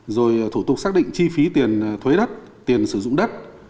rồi thủ tục xác định chi phí tiền thuế đất tiền sử dụng đất